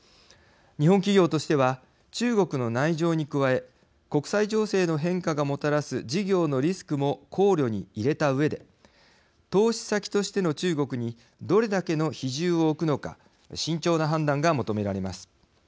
日本企業としては中国の内情に加え国際情勢の変化がもたらす事業のリスクも考慮に入れたうえで投資先としての中国にどれだけの比重を置くのか慎重な判断が求められます。